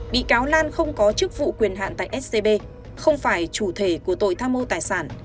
bị cáo lan không có chức vụ quyền hạn tại scb không phải chủ thể của tội tham mô tài sản